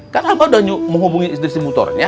kan abah udah mau hubungi distributor ya